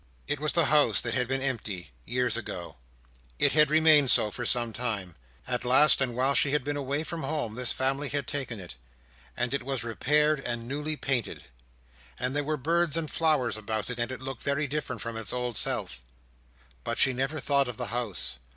It was the house that had been empty, years ago. It had remained so for a long time. At last, and while she had been away from home, this family had taken it; and it was repaired and newly painted; and there were birds and flowers about it; and it looked very different from its old self. But she never thought of the house.